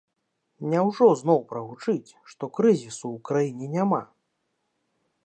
Няўжо зноў прагучыць, што крызісу ў краіне няма?